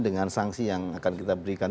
dengan sanksi yang akan kita berikan